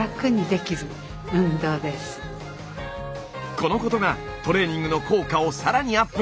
このことがトレーニングの効果を更にアップ。